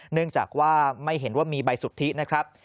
เนื่องจากว่าไม่เห็นว่ามีใบสุทธินะครับ